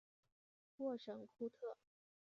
沃什库特。